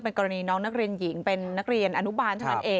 เป็นกรณีน้องนักเรียนหญิงเป็นนักเรียนอนุบาล